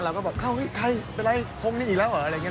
เราก็บอกเข้าเฮ้ยใครเป็นไรพรมนี้อีกแล้วเหรออะไรอย่างนี้